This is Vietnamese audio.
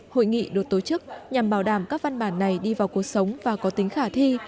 hội nghị được tổ chức nhằm bảo đảm các văn bản này đi vào cuộc sống và có tính khả thi